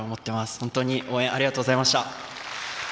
本当に応援ありがとうございました！